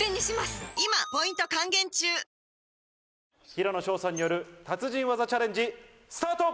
平野紫耀さんによる達人技チャレンジスタート！